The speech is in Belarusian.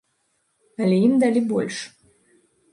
Але ім далі больш.